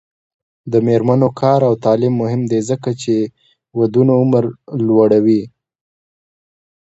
د میرمنو کار او تعلیم مهم دی ځکه چې ودونو عمر لوړوي.